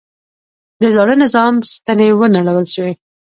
د زاړه نظام ستنې ونړول شوې.